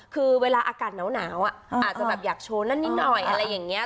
คือเวลาอากาศหนาวอาจจะแบบอยากโชว์นั่นนิดหน่อยอะไรอย่างนี้